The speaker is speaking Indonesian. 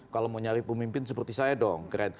kalau mau nyari pemimpin seperti saya dong keren